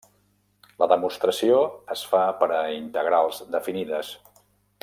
La demostració es fa per a integrals definides.